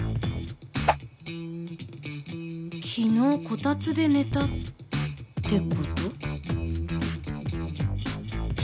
昨日こたつで寝たって事？